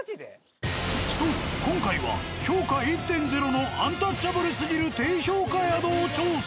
そう今回は評価１．０のアンタッチャブルすぎる低評価宿を調査。